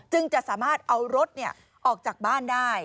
จะสามารถเอารถออกจากบ้านได้